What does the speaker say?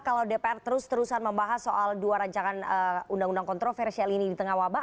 kalau dpr terus terusan membahas soal dua rancangan undang undang kontroversial ini di tengah wabah